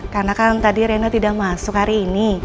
karena kan tadi rena tidak masuk hari ini